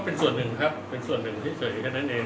เป็นส่วนหนึ่งครับเป็นส่วนหนึ่งที่เคยเห็นกันนั่นเอง